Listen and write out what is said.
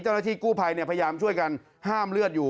เจ้าหน้าที่กู้ภัยพยายามช่วยกันห้ามเลือดอยู่